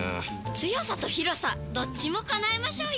強さと広さどっちも叶えましょうよ！